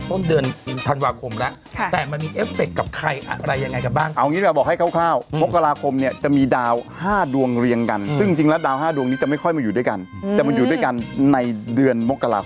เต๋อง้อยกลับมาดังอีกรอบนั่น